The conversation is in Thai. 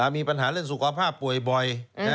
มีปัญหาเรื่องสุขภาพป่วยบ่อย